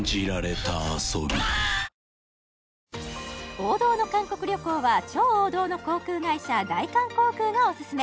王道の韓国旅行は超王道の航空会社大韓航空がオススメ